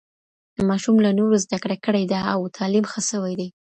ماشوم له نورو زده کړه کړې ده او تعليم ښه سوی دی.